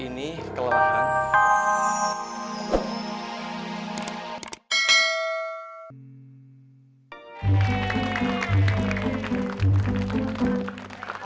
iya dong keren gitu kak